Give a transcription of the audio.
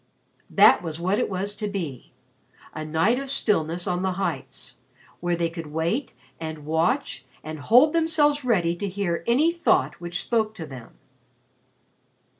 That was what it was to be. A night of stillness on the heights, where they could wait and watch and hold themselves ready to hear any thought which spoke to them.